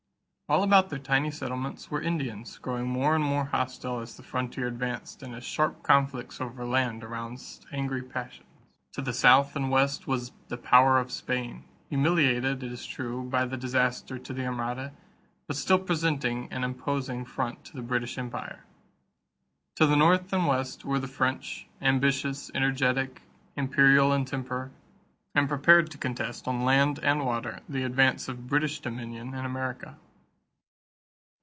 All about their tiny settlements were Indians, growing more and more hostile as the frontier advanced and as sharp conflicts over land aroused angry passions. To the south and west was the power of Spain, humiliated, it is true, by the disaster to the Armada, but still presenting an imposing front to the British empire. To the north and west were the French, ambitious, energetic, imperial in temper, and prepared to contest on land and water the advance of British dominion in America.